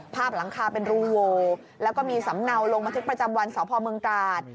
หลังคาเป็นรูโวแล้วก็มีสำเนาลงบันทึกประจำวันสพเมืองกาศ